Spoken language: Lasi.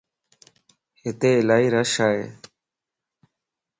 ھتي الائي رش ائي